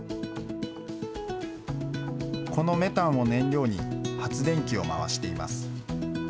このメタンを燃料に、発電機を回しています。